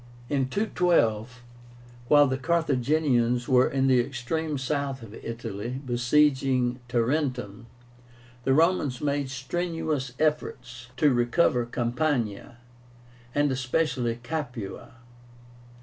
In 212, while the Carthaginians were in the extreme south of Italy, besieging Tarentum, the Romans made strenuous efforts to recover Campania, and especially Capua.